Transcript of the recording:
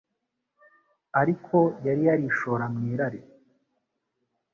Ariko yari yarishora mu irari